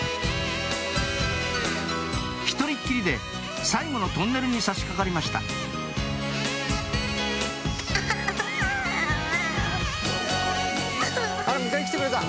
一人きりで最後のトンネルに差しかかりました迎えに来てくれた！